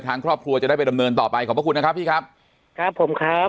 ทางครอบครัวจะได้ไปดำเนินต่อไปขอบพระคุณนะครับพี่ครับครับผมครับ